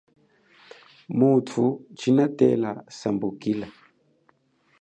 Muthu tshinatela sambukila.